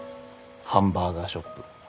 ハンバーガーショップ。